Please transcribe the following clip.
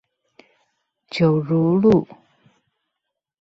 九如路